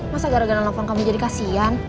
masa gara gara nelfon kami jadi kasian